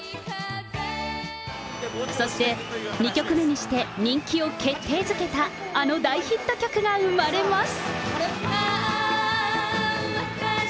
そして２曲目にして、人気を決定づけたあの大ヒット曲が生まれます。